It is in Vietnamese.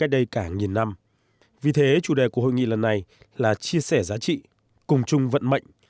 điều đề của hội nghị lần này là chia sẻ giá trị cùng chung vận mệnh